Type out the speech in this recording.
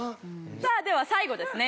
さあでは最後ですね。